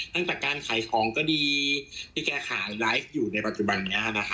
ตั้งแต่การขายของก็ดีที่แกขายไลฟ์อยู่ในปัจจุบันนี้นะคะ